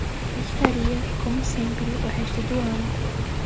Pescaria, como sempre, o resto do ano.